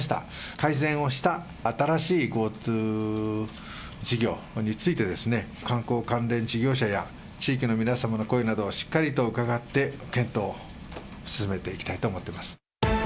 改善をした新しいＧｏＴｏ事業について、観光関連事業者や地域の皆様の声などをしっかりと伺って検討を進めていきたいと思ってます。